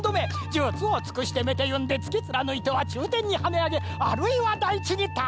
じゅつをつくしてめてゆんでつきつらぬいてはちゅうてんにはねあげあるいはだいちにたたきつけ！